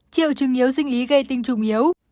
triệu chứng yếu sinh lý gây tinh trùng yếu